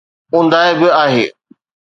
اوندهه به آهي.